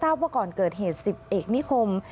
ว่าก่อนเกิดเหตุ๑๐เอกนิคม